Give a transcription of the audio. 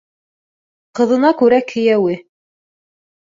Ҡыҙына күрә кейәүе